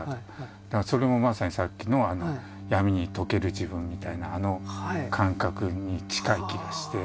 だからそれもまさにさっきの闇に溶ける自分みたいなあの感覚に近い気がして。